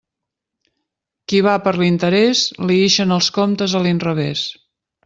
Qui va per l'interés, li ixen els comptes a l'inrevés.